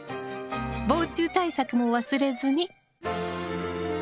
防虫対策も忘れずに！